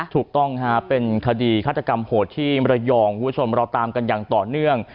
ถูกต้องฮะเป็นคดีฆาตกรรมโหดที่มรยองคุณผู้ชมเราตามกันอย่างต่อเนื่อง